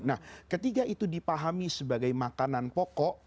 nah ketika itu dipahami sebagai makanan pokok